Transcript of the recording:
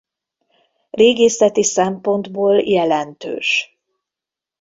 Régészeti szempontból jelentős.